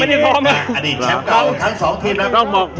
พอได้ครับพอได้ครับพอได้ครับพอได้ครับพอได้ครับ